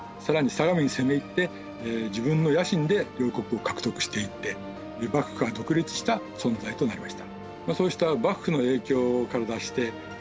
相模に攻め入って自分の野心で領国を獲得していって幕府から独立した存在となりました。